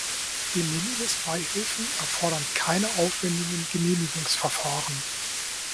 De-minimis-Beihilfen erfordern keine aufwändigen Genehmigungsverfahren.